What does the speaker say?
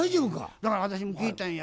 だから私も聞いたんや。